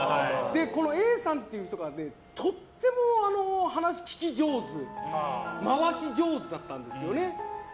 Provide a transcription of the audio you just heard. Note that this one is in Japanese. Ａさんっていう人がとっても聞き上手回し上手だったんですよね。